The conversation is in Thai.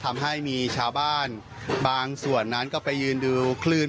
ทำให้มีชาวบ้านบางส่วนนั้นก็ไปยืนดูคลื่น